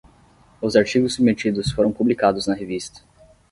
Os artigos submetidos foram publicados na revista